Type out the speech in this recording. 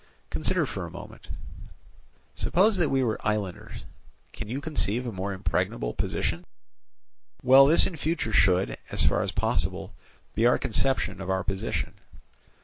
Consider for a moment. Suppose that we were islanders; can you conceive a more impregnable position? Well, this in future should, as far as possible, be our conception of our position.